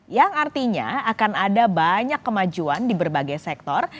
yang artinya akan ada banyak kemajuan di berbagai sektor